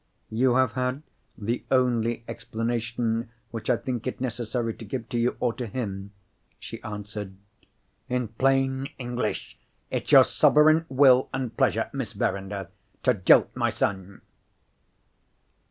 "You have had the only explanation which I think it necessary to give to you, or to him," she answered. "In plain English, it's your sovereign will and pleasure, Miss Verinder, to jilt my son?"